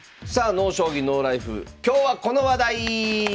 「ＮＯ将棋ＮＯＬＩＦＥ」「今日はこの話題！」。